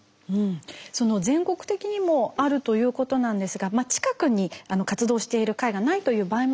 全国的にもあるということなんですが近くに活動している会がないという場合もですね